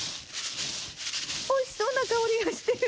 おいしそうな香りがしてる。